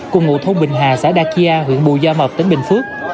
cùng ngụ thôn bình hà xã đa kia huyện bùi gia mập tỉnh bình phước